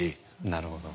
なるほど。